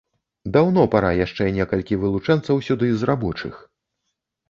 Даўно пара яшчэ некалькі вылучэнцаў сюды з рабочых!